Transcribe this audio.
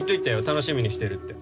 楽しみにしてるって。